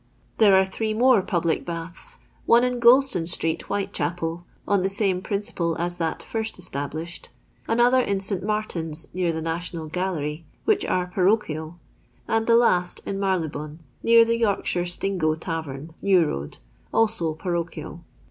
There are three more public baths : one in Qoulston street, Whitechapel (on the same prin ciple as that first established) ; another in St. Martin's, near the National Crallery, which arc parochial ; and the last in Marylebone, near the Yorkshire Stingo tavern. New road, also paro chial.